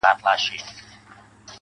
د ښویېدلي سړي لوري د هُدا لوري